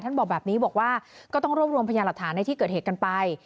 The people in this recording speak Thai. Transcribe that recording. บอกแบบนี้บอกว่าก็ต้องรวบรวมพยาหลักฐานในที่เกิดเหตุกันไป